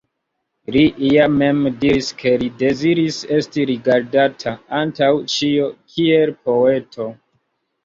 Li ja mem diris ke li deziris esti rigardata, antaŭ ĉio, kiel poeto.